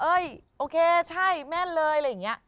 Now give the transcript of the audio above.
โอเคใช่แม่นเลยอะไรอย่างนี้